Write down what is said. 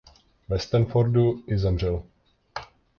Ve Stanfordu i zemřel.